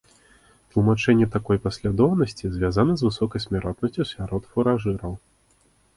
Тлумачэнне такой паслядоўнасці звязана з высокай смяротнасцю сярод фуражыраў.